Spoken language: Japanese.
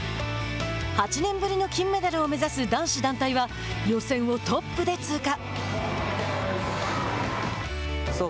８年ぶりの金メダルを目指す男子団体は予選をトップで通過。